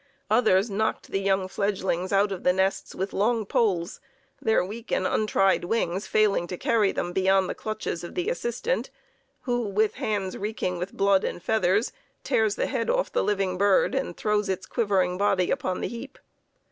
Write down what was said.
Others knocked the young fledglings out of the nests with long poles, their weak and untried wings failing to carry them beyond the clutches of the assistant, who, with hands reeking with blood and feathers, tears the head off the living bird, and throws its quivering body upon the heap.